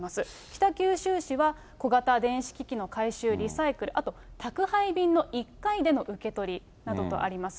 北九州市は小型電子機器の回収・リサイクル、あと宅配便の１回での受け取りなどとあります。